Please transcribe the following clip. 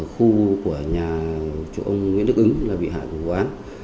khu của nhà chủ ông nguyễn đức ứng là bị hại của quán